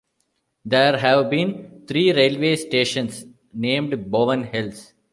There have been three railways stations named Bowen Hills.